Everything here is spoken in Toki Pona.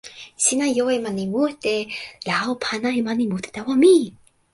sina jo e mani mute, la o pana e mani mute tawa mi!